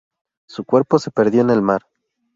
Su cuerpo se perdió en el mar.